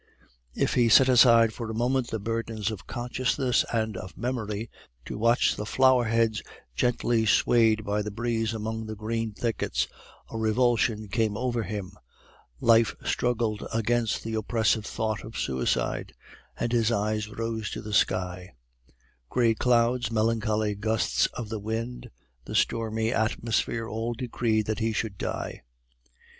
If he set aside for a moment the burdens of consciousness and of memory, to watch the flower heads gently swayed by the breeze among the green thickets, a revulsion came over him, life struggled against the oppressive thought of suicide, and his eyes rose to the sky: gray clouds, melancholy gusts of the wind, the stormy atmosphere, all decreed that he should die.